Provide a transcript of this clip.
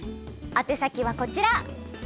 あて先はこちら。